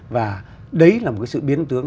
và đấy là một cái sự biến tướng